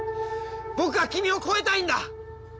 僕は君を超えたいんだ！